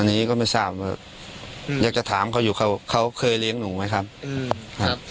อันนี้ก็ไม่ทราบว่าอยากจะถามเขาอยู่เขาเขาเคยเลี้ยงหนูไหมครับอืมครับ